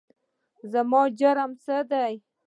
زما جرم څه دی ؟؟